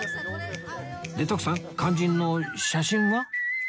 で徳さん肝心の写真は？